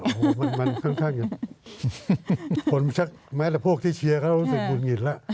โอ้โหมันค่อนข้างแม้แต่พวกที่เชียร์เขารู้สึกบุญหงิดละ